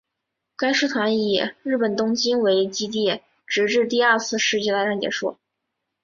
该师团以日本东京为基地直至第二次世界大战结束。